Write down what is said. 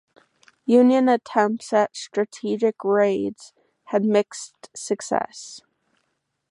Union attempts at strategic raids had mixed success.